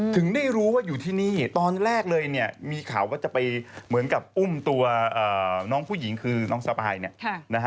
ถึงได้รู้ว่าอยู่ที่นี่ตอนแรกเลยเนี่ยมีข่าวว่าจะไปเหมือนกับอุ้มตัวน้องผู้หญิงคือน้องสปายเนี่ยนะฮะ